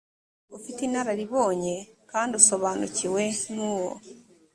ufite inararibonye kandi usobanukiwe n uwo